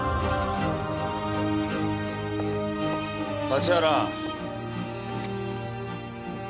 立原。